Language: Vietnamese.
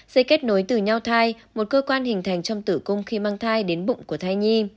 dây kết nối từ nhau thai một cơ quan hình thành trong tử cung khi mang thai đến bụng của thai nhi